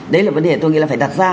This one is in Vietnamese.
đấy là vấn đề tôi nghĩ là phải đặt ra